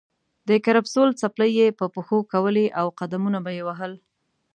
د کرپسول څپلۍ یې په پښو کولې او قدمونه به یې وهل.